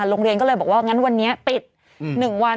โรงเรียนก็เลยบอกว่างั้นวันนี้ปิด๑วัน